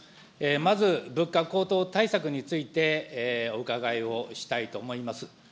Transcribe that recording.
まず物価高騰対策について、お伺いをしたいと思います。